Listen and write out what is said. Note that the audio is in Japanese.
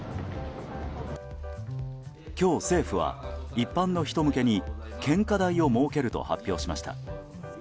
今日、政府は一般の人向けに献花台を設けると発表しました。